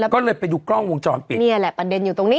ก็เลยไปดูกล้องวงจรปิดนี่แหละประเด็นอยู่ตรงนี้